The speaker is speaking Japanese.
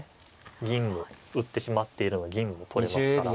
銀も打ってしまっているので銀も取れますから。